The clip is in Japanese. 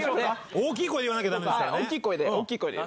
大きい声で言わなきゃダメです。